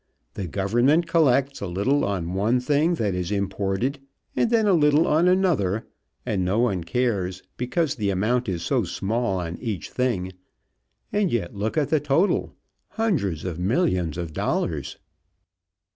The government collects a little on one thing that is imported, and a little on another, and no one cares, because the amount is so small on each thing, and yet look at the total hundreds of millions of dollars!"